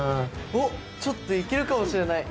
おっちょっといけるかもしれない！